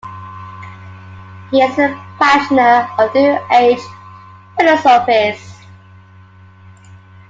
He is a practitioner of New Age philosophies.